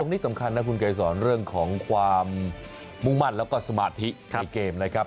นี้สำคัญนะคุณไกรสอนเรื่องของความมุ่งมั่นแล้วก็สมาธิในเกมนะครับ